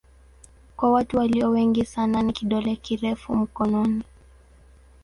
Kwa watu walio wengi sana ni kidole kirefu mkononi.